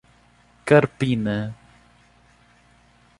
Carpina